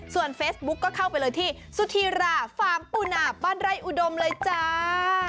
ส่วนเฟซบุ๊กก็เข้าไปเลยที่สุธีราฟาร์มปูนาบ้านไร่อุดมเลยจ้า